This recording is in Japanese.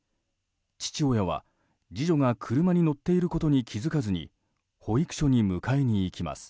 父親は次女が車に乗っていることに気づかずに保育所に迎えに行きます。